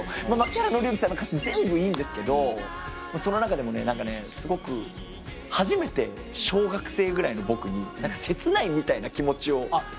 槇原敬之さんの歌詞全部いいんですけどその中でもすごく初めて小学生ぐらいの僕に切ないみたいな気持ちを。